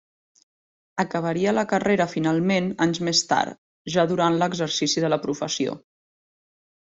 Acabaria la carrera finalment anys més tard, ja durant l'exercici de la professió.